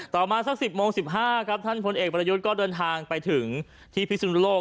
ประมาณสัก๑๐โมง๑๕ท่านผลเอกบริยุทธ์ก็เดินทางไปถึงที่ภิกษ์ศุลโลก